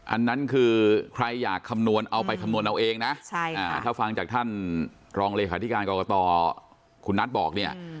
อันนั้นคือใครอยากคำนวณเอาไปคำนวณเอาเองนะถ้าฟังจากท่านรองเลขาธิการกรกตคุณนัทบอกเนี่ย